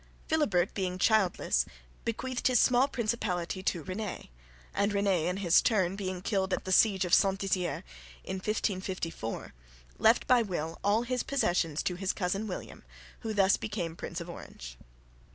Philibert being childless bequeathed his small principality to Réné; and Réné in his turn, being killed at the siege of St Dizier in 1544, left by will all his possessions to his cousin William, who thus became Prince of Orange.